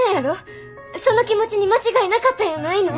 その気持ちに間違いなかったんやないの？